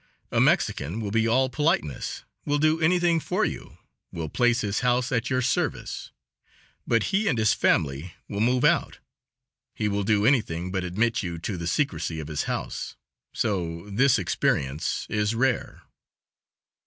A Mexican will be all politeness, will do anything for you, will place his house at your service, but he and his family will move out. He will do anything but admit you to the secrecy of his house. So this experience is rare.